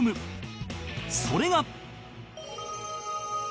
それが